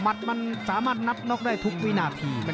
มันสามารถนับน็อกได้ทุกวินาที